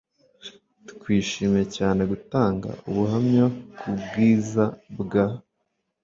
Twishimiye cyane gutanga ubuhamya kubwiza bwa